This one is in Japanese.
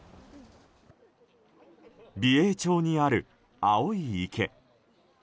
美瑛町にある青い池。